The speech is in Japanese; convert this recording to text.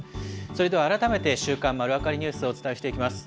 それでは改めて週刊まるわかりニュースをお伝えしていきます。